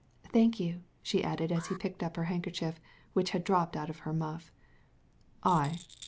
"Thank you," she added, as he picked up the handkerchief that had fallen out of her muff. "I?